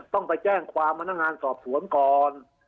ต้องไปแจ้งความพนักงานสอบสวนก่อน